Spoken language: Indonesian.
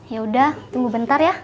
yaudah tunggu bentar ya